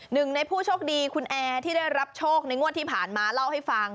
หนึ่งในผู้โชคดีคุณแอร์ที่ได้รับโชคในงวดที่ผ่านมาเล่าให้ฟัง